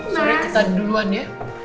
sorry kita duluan ya